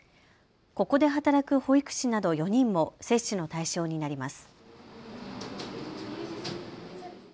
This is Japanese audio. ここで働く保育士など４人も接種の対象になります。